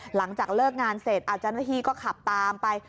หลังจากเลิกงานเสร็จเจ้าหน้าที่ก็ขับตามไป